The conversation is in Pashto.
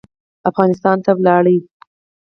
افغانستان ته ولاړ.